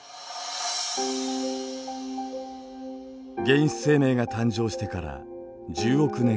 原始生命が誕生してから１０億年後。